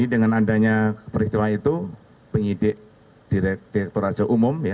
dengan adanya peristiwa itu pengidik direktur raja umum